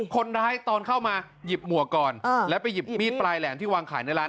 คนร้ายตอนเข้ามาหยิบหมวกก่อนแล้วไปหยิบมีดปลายแหลมที่วางขายในร้าน